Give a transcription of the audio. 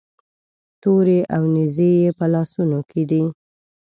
تورې او نیزې یې په لاسونو کې دي.